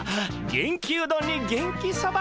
「元気うどん」に「元気そば」。